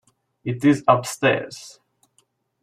It is upstairs.